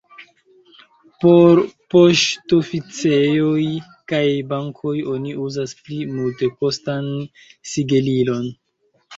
Por poŝtoficejoj kaj bankoj oni uzas pli multekostan sigelilon.